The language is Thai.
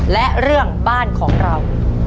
และเรื่องบ้านของเรา